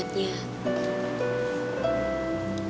tapi dari niatnya